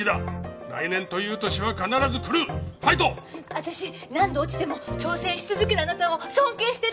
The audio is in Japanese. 私何度落ちても挑戦し続けるあなたを尊敬してる。